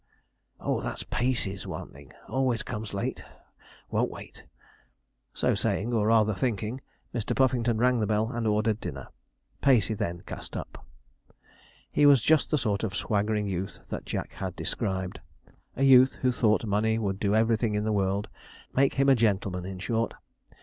Oh, that Pacey's wanting; always comes late, won't wait' so saying, or rather thinking, Mr. Puffington rang the bell and ordered dinner. Pacey then cast up. He was just the sort of swaggering youth that Jack had described; a youth who thought money would do everything in the world make him a gentleman, in short.